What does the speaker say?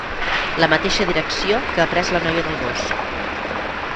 La mateixa direcció que ha pres la noia del gos.